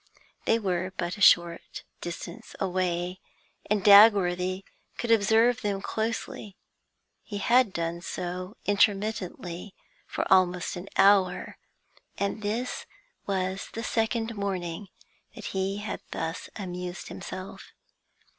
They were but a short distance away, and Dagworthy could observe them closely; he had done so, intermittently, for almost an hour, and this was the second morning that he had thus amused himself.